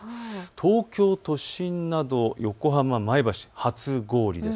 東京都心など横浜、前橋、初氷です。